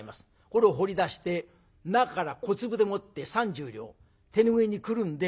これを掘り出して中から小粒でもって３０両手拭いにくるんで。